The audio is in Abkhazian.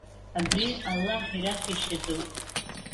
Абри Аллаҳ ираҭәеишьаз ауп.